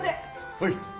はい！